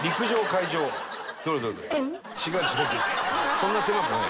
そんな狭くない。